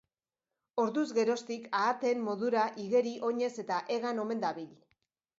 Orduz geroztik, ahateen modura igeri, oinez eta hegan omen dabil.